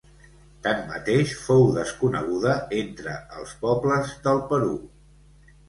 Tanmateix, fou desconeguda entre els pobles del Perú.